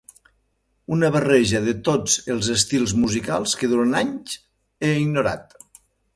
Una barreja de tots els estils musicals que durant anys he ignorat.